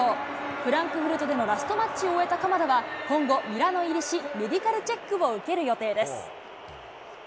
フランクフルトでのラストマッチを終えた鎌田は、今後、ミラノ入りし、メディカルチェックを受ける予定です。